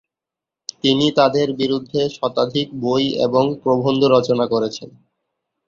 তিনি তাদের বিরুদ্ধে শতাধিক বই এবং প্রবন্ধ রচনা করেছেন।